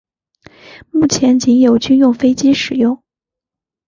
目前仅有军用飞机使用。